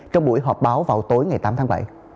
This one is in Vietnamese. trong buổi họp báo vào tối ngày tám tháng bảy